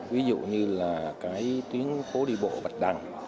ví dụ như là cái tuyến phố đi bộ bạch đằng